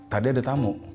tadi ada tamu